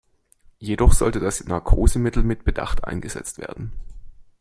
Jedoch sollte das Narkosemittel mit Bedacht eingesetzt werden.